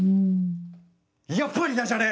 やっぱりダジャレ！